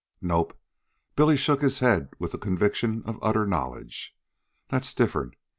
"Nope." Billy shook his head with the conviction of utter knowledge. "That's different.